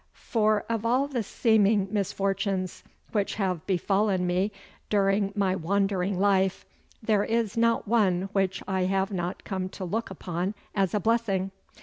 For of all the seeming misfortunes which have befallen me during my wandering life, there is not one which I have not come to look upon as a blessing.